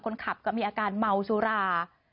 คนขับก็มีอาการเมาสุรา